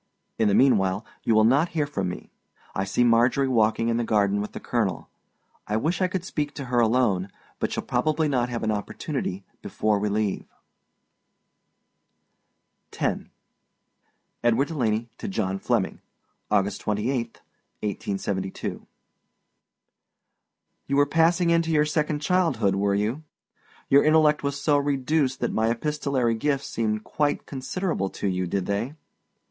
In the meanwhile you will not hear from me. I see Marjorie walking in the garden with the colonel. I wish I could speak to her alone, but shall probably not have an opportunity before we leave. X. EDWARD DELANEY TO JOHN FLEMMING. August 28, 1872. You were passing into your second childhood, were you? Your intellect was so reduced that my epistolary gifts seemed quite considerable to you, did they?